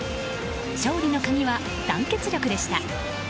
勝利の鍵は、団結力でした。